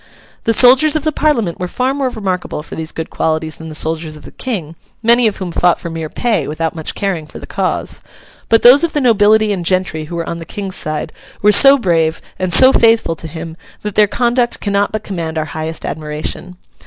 The soldiers of the Parliament were far more remarkable for these good qualities than the soldiers of the King (many of whom fought for mere pay without much caring for the cause); but those of the nobility and gentry who were on the King's side were so brave, and so faithful to him, that their conduct cannot but command our highest admiration.